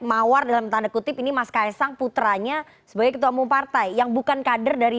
mawar dalam tanda kutip ini mas kaisang putranya sebagai ketua umum partai yang bukan kader dari